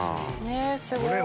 ねぇすごい！